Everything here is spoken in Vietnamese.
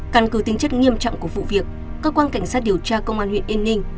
căn cứ tính chất nghiêm trọng của vụ việc cơ quan cảnh sát điều tra công an huyện yên ninh